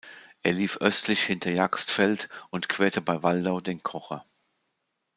Er lief östlich hinter Jagstfeld und querte bei Waldau den Kocher.